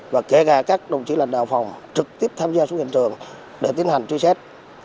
và kể cả các đồng chí lãnh đạo phòng trực tiếp tham gia xuống hiện trường để tiến hành truy xét